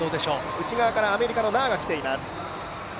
内側からアメリカのナーが来ています。